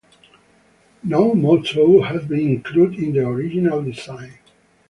No motto had been included in the original design.